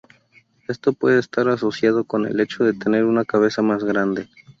Esto puede estar asociado con el hecho de tener una cabeza más grande.